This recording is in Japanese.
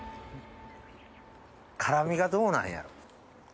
辛みがどうなんやろ？